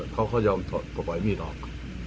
เขาก็ยอมตกปล่อยมีดออก